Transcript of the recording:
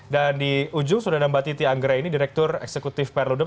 dan di ujung sudah ada mbak titi anggere ini direktur eksekutif perludem